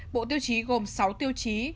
bộ tiêu chí gồm sáu tiêu chí